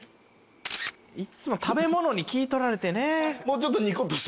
いっつも食べ物に気取られてね。